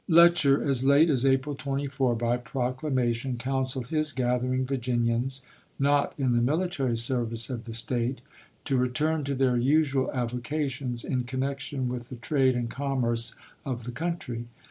Letcher, as late as ^*ms. April 24, by proclamation counseled his gathering Virginians, not in the military service of the State, "Rebellion " to return to their usual avocations, in connection voi'. i?^doo witli the trade and commerce of the country."